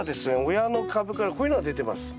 親の株からこういうのが出てます。